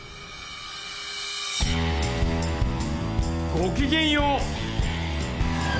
ごきげんよう。